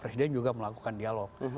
rehden juga melakukan dialog